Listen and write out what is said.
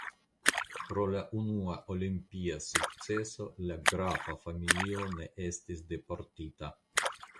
Pro la unua olimpia sukceso la grafa familio ne estis deportita.